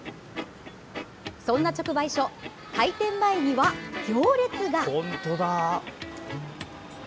そんな直売所、開店前には行列が。